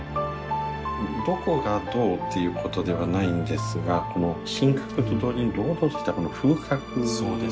どこがどうっていうことではないんですがこの品格と同時に堂々としたこの風格ですよねはい。